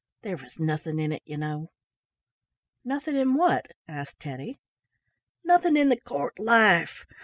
There was nothing in it, you know." "Nothing in what?" asked Teddy. "Nothing in the court life.